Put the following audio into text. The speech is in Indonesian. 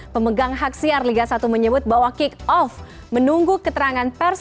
pemegang hak siar liga satu menyebut bahwa kick off menunggu keterangan pers